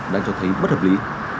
đang cho thấy bất hợp lý